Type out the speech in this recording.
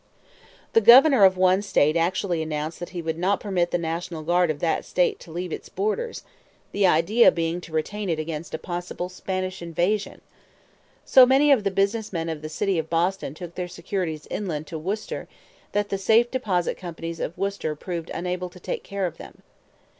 The Governor of one State actually announced that he would not permit the National Guard of that State to leave its borders, the idea being to retain it against a possible Spanish invasion. So many of the business men of the city of Boston took their securities inland to Worcester that the safe deposit companies of Worcester proved unable to take care of them.